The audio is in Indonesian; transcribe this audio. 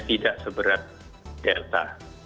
tidak seberat delta